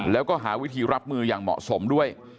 แล้วก็หาวิธีรับมืออย่างเหมาะสมด้วย